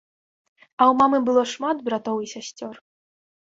А ў мамы было шмат братоў і сясцёр.